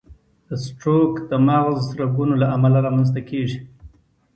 د سټروک د مغز رګونو له امله رامنځته کېږي.